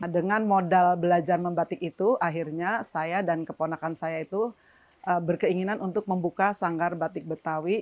dengan modal belajar membatik itu akhirnya saya dan keponakan saya itu berkeinginan untuk membuka sanggar batik betawi